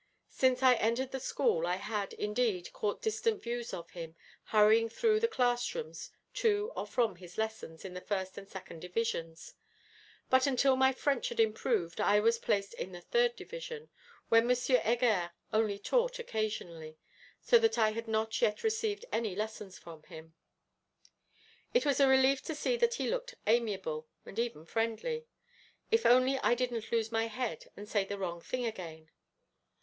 Since I entered the school I had, indeed, caught distant views of him, hurrying through the class rooms to or from his lessons in the First and Second divisions. But until my French had improved I was placed in the Third division, where M. Heger only taught occasionally, so that I had not yet received any lesson from him. It was a relief to see that he looked amiable, and even friendly; if only I didn't lose my head and say the wrong thing again!